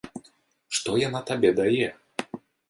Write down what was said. Што яна табе дае?